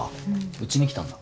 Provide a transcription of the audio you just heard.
うちに来たんだ？